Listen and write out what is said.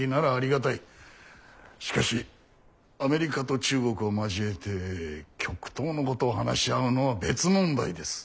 しかしアメリカと中国を交えて極東のことを話し合うのは別問題です。